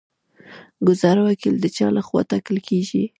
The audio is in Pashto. ګذر وکیل د چا لخوا ټاکل کیږي؟